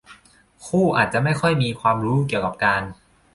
คู่อาจจะไม่ค่อยมีความรู้เกี่ยวกับการ